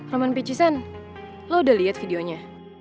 roman picisen lo udah liat videonya